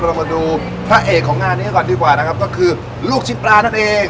เรามาดูพระเอกของงานนี้ก่อนดีกว่านะครับก็คือลูกชิ้นปลานั่นเอง